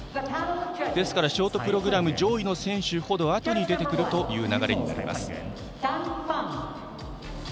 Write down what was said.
ですからショートプログラム上位の選手ほどあとに出てくるという流れです。